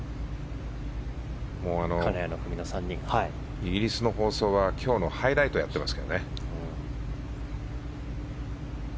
イギリスの放送は今日のハイライトをやっています。